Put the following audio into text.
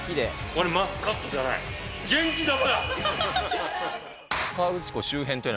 これ、マスカットじゃない。